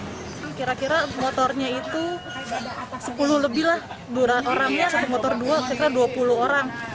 kira kira motornya itu sepuluh lebih lah dua orangnya satu motor dua kira kira dua puluh orang